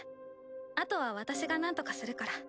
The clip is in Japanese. あとは私がなんとかするから。